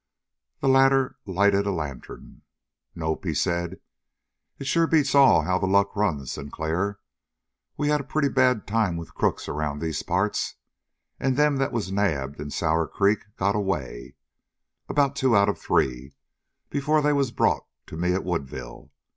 The latter lighted a lantern. "Nope," he said. "It sure beats all how the luck runs, Sinclair. We'd had a pretty bad time with crooks around these parts, and them that was nabbed in Sour Creek got away; about two out of three, before they was brought to me at Woodville.